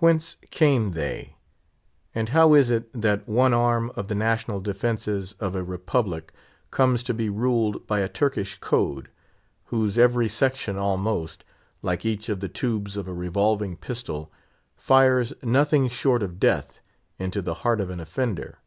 Whence came they? And how is it that one arm of the national defences of a Republic comes to be ruled by a Turkish code, whose every section almost, like each of the tubes of a revolving pistol, fires nothing short of death into the heart of an offender?